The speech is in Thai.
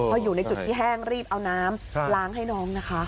พออยู่ในจุดที่แห้งรีบเอาน้ำล้างให้น้องนะคะ